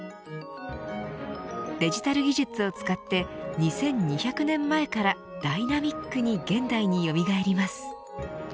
デジタル技術を使って２２００年前からダイナミックに現代によみがえります。